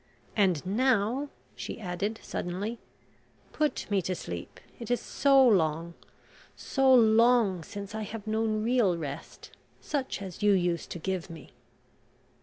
And now " she added suddenly: "Put me to sleep... it is so long, so long, since I have known real rest, such as you used to give me."